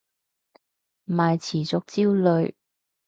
咪持續焦慮